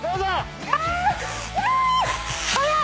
速い。